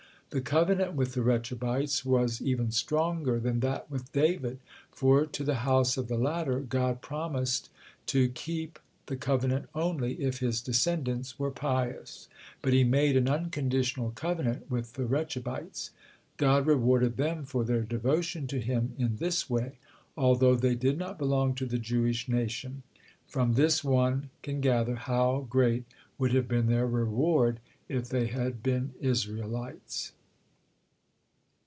The covenant with the Rechabites was even stronger than that with David, for to the house of the latter God promised to keep the covenant only if his descendants were pious, but He made an unconditional covenant with the Rechabites. God rewarded them for their devotion to Him in this way, although they did not belong to the Jewish nation. From this one can gather how great would have been their reward if they had been Israelites.